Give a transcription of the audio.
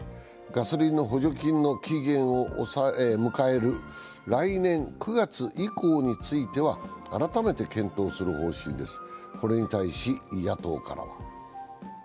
ガソリンの補助金の期限を迎える来年９月以降については改めて検討する方針です。